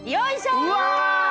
うわ！